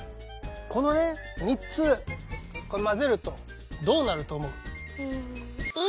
この３つこれ混ぜるとどうなると思う？